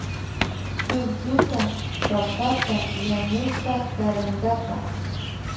Chuklluta papata yanushpa karankapa